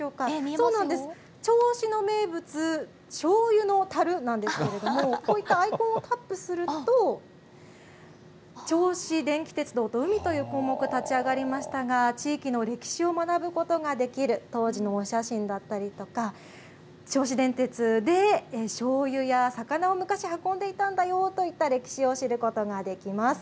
そうなんです、銚子の名物、しょうゆのたるなんですけれども、こういったアイコンをタップすると、銚子電気鉄道と海という項目立ち上がりましたが、地域の歴史を学ぶことができる、当時のお写真だったりとか、銚子電鉄で、しょうゆや魚を昔運んでいたんだよといった歴史を知ることができます。